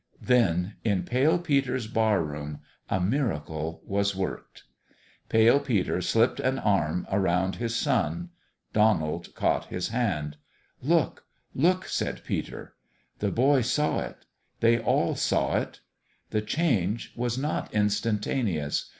Then in Pale Peter's barroom a miracle was worked. Pale Peter slipped an arm around his son. Donald caught his hand. " Look, look !" said Peter. The boy saw it. They all saw it. The change was not instantaneous.